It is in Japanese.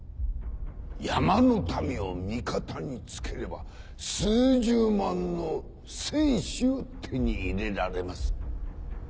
山の民を味方に付ければ数十万の戦士を手に入れられます。